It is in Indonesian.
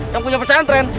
yang punya pesan tren